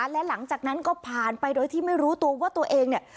และหลังจากนั้นก็ผ่านไปโดยที่ไม่รู้ตัวว่าตัวเองเนี่ย